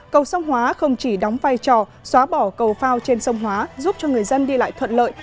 cầu sông hóa không chỉ đóng vai trò xóa bỏ cầu phao trên sông hóa giúp cho người dân đi lại thuận lợi